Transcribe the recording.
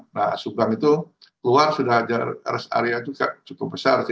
nah subang itu keluar sudah rest area juga cukup besar